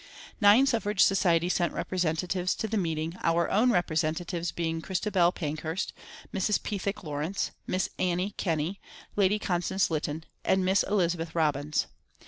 Nine suffrage societies sent representatives to the meeting, our own representatives being Christabel Pankhurst, Mrs. Pethick Lawrence, Miss Annie Kenney, Lady Constance Lytton and Miss Elizabeth Robins.